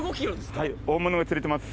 はい大物が釣れてます。